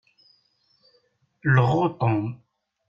Lɣu Tom.